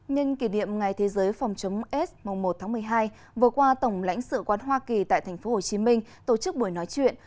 nhân kỷ niệm ngày thế giới phòng chống aids mùng một tháng một mươi hai vừa qua tổng lãnh sự quán hoa kỳ tại tp hcm tổ chức buổi nói chuyện